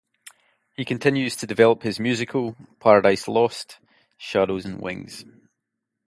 He continues to develop his musical "Paradise Lost: Shadows and Wings".